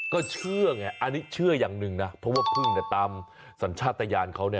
ก็เชื่อไงอันนี้เชื่ออย่างหนึ่งนะเพราะว่าพึ่งตามสัญชาติตะยานเขา